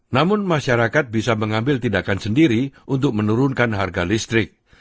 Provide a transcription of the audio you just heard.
namun masyarakat bisa mengambil tindakan sendiri untuk menurunkan harga listrik